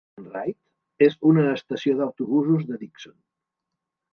Dixon Park and Ride és una estació d'autobusos de Dixon.